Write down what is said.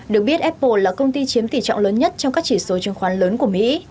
được biết apple là công ty chiếm tỷ trọng lớn nhất trong các chỉ số chứng khoán lớn của mỹ